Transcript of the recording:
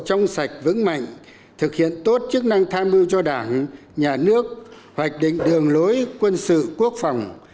trong sạch vững mạnh thực hiện tốt chức năng tham mưu cho đảng nhà nước hoạch định đường lối quân sự quốc phòng